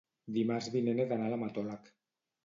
Dimarts vinent he d'anar a l'hematòleg.